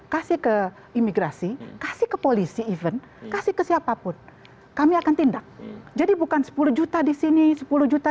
dan migrasi kasih ke polisi event kasih ke siapapun kami akan tindak jadi bukan sepuluh juta disini sepuluh juta